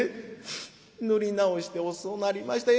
塗り直して遅うなりました。